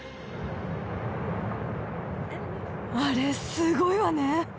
あれすごいわね。